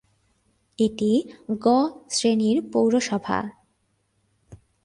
এটি "গ" শ্রেণীর পৌরসভা।